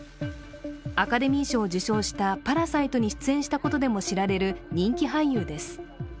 アカデミー賞を受賞した「パラサイト」に出演したことでも知られる人気俳優です。